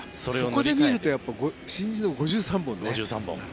そこで見ると新人の時、５３本ね。